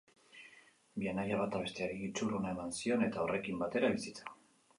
Bi anaia, batak besteari giltzurruna eman zion eta horrekin batera, bizitza.